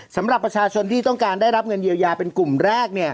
สำหรับประชาชนที่ต้องการได้รับเงินเยียวยาเป็นกลุ่มแรก